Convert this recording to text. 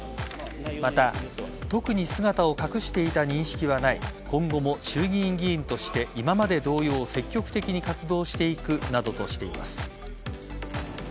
また、特に姿を隠していた認識はない今後も衆議院議員として今まで同様積極的に活動していくなどとしています。